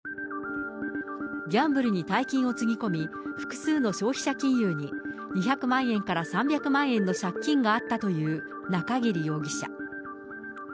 ギャンブルに大金をつぎ込み、複数の消費者金融に２００万円から３００万円の借金があったという中桐容疑者。